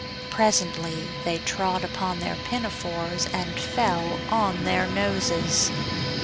Presently they trod upon their pinafores and fell on their noses.